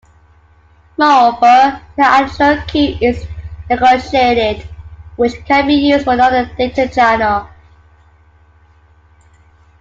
Moreover, an additional key is negotiated which can be used for another data channel.